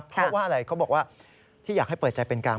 เพราะว่าอะไรเขาบอกว่าที่อยากให้เปิดใจเป็นกลาง